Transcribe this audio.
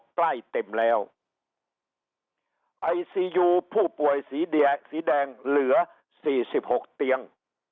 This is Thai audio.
ใกล้เต็มแล้วไอซียูผู้ป่วยสีแดงสีแดงเหลือสี่สิบหกเตียง